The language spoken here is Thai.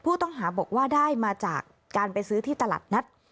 ผู้ต้องหาบอกว่าได้มาจากการไปซื้อที่ตลาดนัด